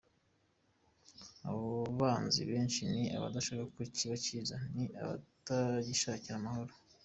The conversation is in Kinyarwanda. Abo banzi benshi ni abadashaka ko kiba cyiza, ni abatagishakira amahoro”.